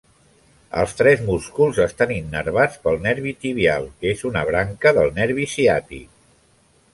Els tres músculs estan innervats pel nervi tibial que és una branca del nervi ciàtic.